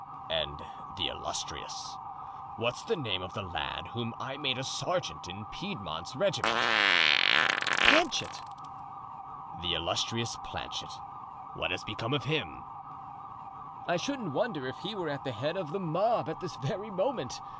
"And the illustrious—what's the name of the lad whom I made a sergeant in Piedmont's regiment?" "Planchet!" "The illustrious Planchet. What has become of him?" "I shouldn't wonder if he were at the head of the mob at this very moment.